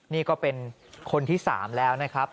นี่ก็เป็นคนที่๓แล้วนะครับ